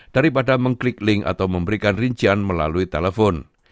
daripada mengklik link atau memberikan rincian melalui telepon